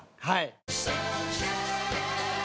はい。